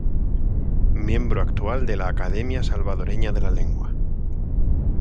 Miembro actual de la Academia Salvadoreña de la Lengua.